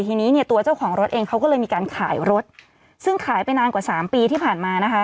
ทีนี้เนี่ยตัวเจ้าของรถเองเขาก็เลยมีการขายรถซึ่งขายไปนานกว่าสามปีที่ผ่านมานะคะ